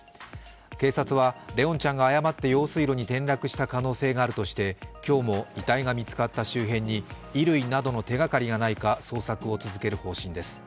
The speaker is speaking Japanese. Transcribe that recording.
警察は、怜音ちゃんが誤って用水路に転落した可能性があるとして今日も遺体が見つかった周辺に衣類などの手がかりがないか捜索を続ける方針です。